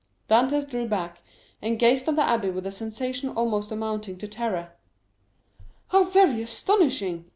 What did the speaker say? Dantès drew back, and gazed on the abbé with a sensation almost amounting to terror. "How very astonishing!"